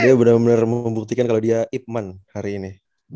dia benar benar membuktikan kalau dia ipman hari ini